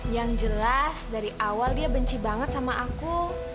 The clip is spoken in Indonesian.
yang jelas dari awal dia benci banget sama aku